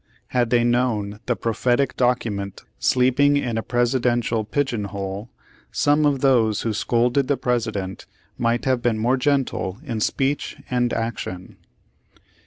Had they known the prophetic docu ment sleeping in a Presidential pigeon hole, some of those who scolded the President, might have been more gentle in speech and action.